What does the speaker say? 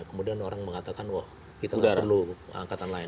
kemudian orang mengatakan wah kita nggak perlu angkatan lain